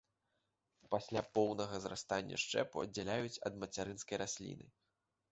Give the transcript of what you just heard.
Пасля поўнага зрастання шчэпу аддзяляюць ад мацярынскай расліны.